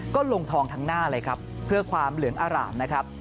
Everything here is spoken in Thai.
ก็ลงทองทั้งหน้าเลยครับเพื่อความเหลืองอร่ามนะครับ